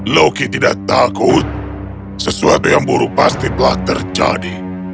loki tidak takut sesuatu yang buruk pasti telah terjadi